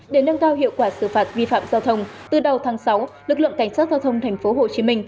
để nâng cao hiệu quả xử phạt vi phạm giao thông từ đầu tháng sáu lực lượng cảnh sát giao thông tp hcm